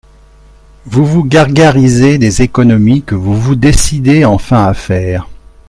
Vous vous gargarisez des économies que vous vous décidez enfin à faire.